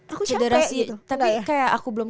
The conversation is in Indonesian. aku capek gitu tapi kayak aku belum